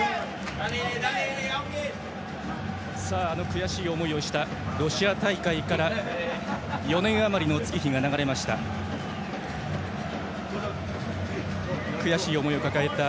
悔しい思いをしたロシア大会から４年余りの月日が流れました。